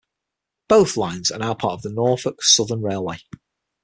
Both lines are now part of the Norfolk Southern Railway.